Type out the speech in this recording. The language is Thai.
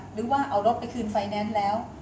หรือว่าเอารถไปคืนไฟแนนซ์แล้ว